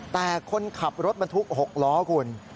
แต่คนขับรถบรรทุก๖ล้อคุณ